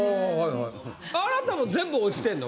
あなたも全部落ちてんの？